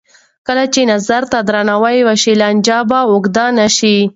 کله چې نظر ته درناوی وشي، لانجه به اوږده نه شي.